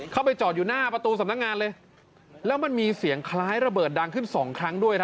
เข้าไปจอดอยู่หน้าประตูสำนักงานเลยแล้วมันมีเสียงคล้ายระเบิดดังขึ้นสองครั้งด้วยนะ